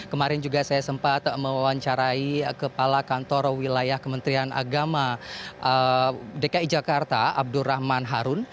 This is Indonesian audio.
kemarin juga saya sempat mewawancarai kepala kantor wilayah kementerian agama dki jakarta abdurrahman harun